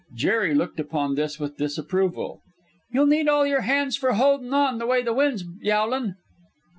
Jerry looked upon this with disapproval. "You'll need all your hands for holdin' on, the way the wind's yowlin.'"